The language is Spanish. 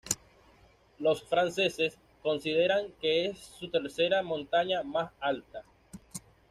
Los franceses consideran que es su tercera montaña más alta.